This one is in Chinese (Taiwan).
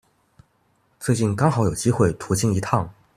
最近剛好有機會途經一趟